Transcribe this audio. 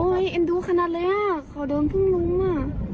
โอ้ยเอ็นดูขนาดเลยอะ